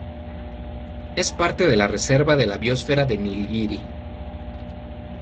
Es parte de la reserva de la biosfera de Nilgiri.